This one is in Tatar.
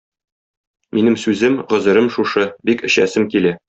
Минем сүзем, гозерем шушы: бик эчәсем килә.